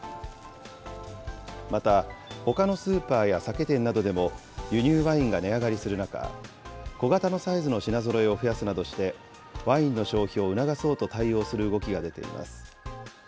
また、ほかのスーパーや酒店などでも、輸入ワインが値上がりする中、小型のサイズの品ぞろえを増やすなどして、ワインの消費を促そうと対応する動きが出ています。